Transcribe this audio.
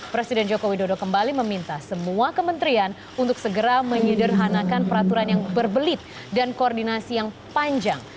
presiden joko widodo kembali meminta semua kementerian untuk segera menyederhanakan peraturan yang berbelit dan koordinasi yang panjang